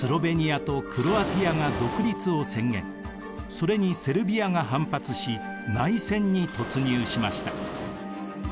それにセルビアが反発し内戦に突入しました。